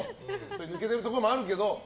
抜けてるところもあるけど。